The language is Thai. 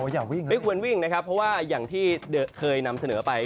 อย่าวิ่งไม่ควรวิ่งนะครับเพราะว่าอย่างที่เคยนำเสนอไป